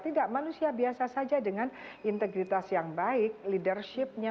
tidak manusia biasa saja dengan integritas yang baik leadershipnya